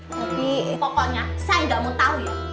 tapi pokoknya saya gak mau tau ya